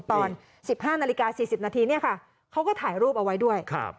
ตอน๑๕นาฬิกา๔๐นาทีเนี่ยค่ะเขาก็ถ่ายรูปเอาไว้ด้วย